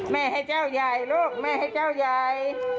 ให้เจ้าใหญ่ลูกแม่ให้เจ้าใหญ่